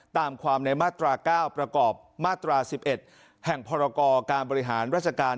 ตามความในมาตรา๙ประกอบมาตรา๑๑แห่งพรกรการบริหารราชการ